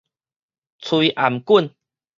摧頷頸